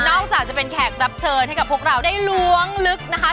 จากจะเป็นแขกรับเชิญให้กับพวกเราได้ล้วงลึกนะคะ